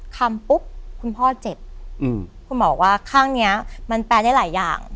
คำปุ๊บคุณพ่อเจ็บคุณหมอว่าข้างนี้มันแปลได้หลายอย่าง